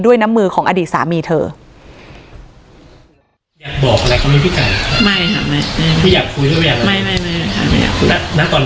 ด้วยน้ำมือของอดีตสามีเธออยากบอกอะไรก็ไม่มีพี่ไก่ค่ะไม่ค่ะไม่